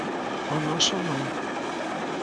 O noso non.